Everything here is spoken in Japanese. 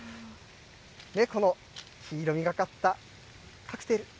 この黄色みがかったカクテル。